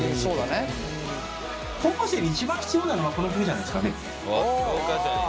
高校生に一番必要なのはこの曲じゃないですかね。